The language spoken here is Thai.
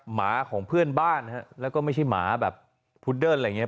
หมาของเพื่อนบ้านฮะแล้วก็ไม่ใช่หมาแบบพุดเดิ้ลอะไรอย่างเงี้